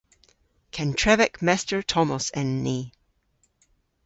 Kentrevek Mester Tomos en ni.